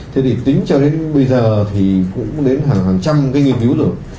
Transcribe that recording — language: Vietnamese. thế thì tính cho đến bây giờ thì cũng đến hàng trăm cái nghiên cứu rồi